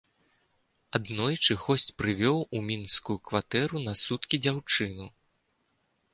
Аднойчы госць прывёў у мінскую кватэру на суткі дзяўчыну.